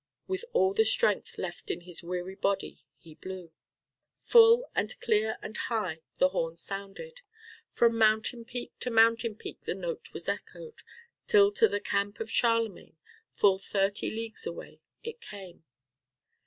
With all the strength left in his weary body he blew. Full, and clear, and high the horn sounded. From mountain peak to mountain peak the note was echoed, till to the camp of Charlemagne, full thirty leagues away, it came.